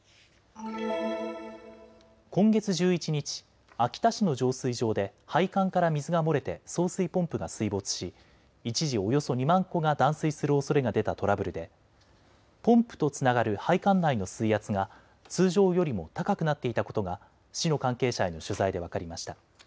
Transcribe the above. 今月１１日、秋田市の浄水場で配管から水が漏れて送水ポンプが水没し一時、およそ２万戸が断水するおそれが出たトラブルでポンプとつながる配管内の水圧が通常よりも高くなっていたことが市の関係者への取材で分かりました。